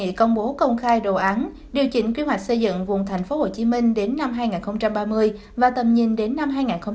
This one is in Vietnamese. hội nghị công bố công khai đồ án điều chỉnh quy hoạch xây dựng vùng tp hcm đến năm hai nghìn ba mươi và tầm nhìn đến năm hai nghìn năm mươi